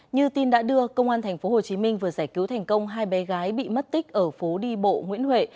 như tin đã đưa công an tp hcm vừa giải cứu thành công hai bé gái bị mất tích ở phố đi bộ nguyễn huệ